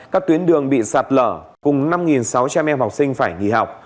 các tuyến đường bị sạt lở cùng năm sáu trăm linh em học sinh phải nghỉ học